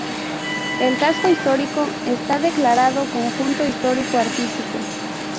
El casco histórico está declarado Conjunto Histórico-Artístico.